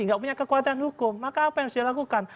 tidak punya kekuatan hukum maka apa yang harus dilakukan